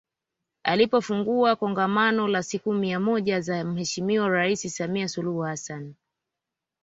Alipofungua Kongamano la siku mia moja za Mheshimiwa Rais Samia Suluhu Hassan